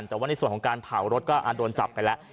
แต่ว่าในส่วนของการเผารถก็โดนจับไปแล้ว